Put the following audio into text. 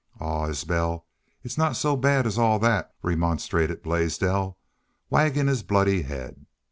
"Aw, Isbel, it's not so bad as all that," remonstrated Blaisdell, wagging his bloody head.